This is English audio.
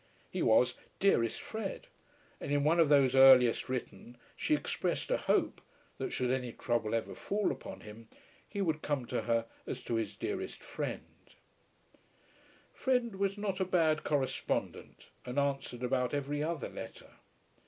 He was "Dearest Fred," and in one of those earliest written she expressed a hope that should any trouble ever fall upon him he would come to her as to his dearest friend. Fred was not a bad correspondent, and answered about every other letter.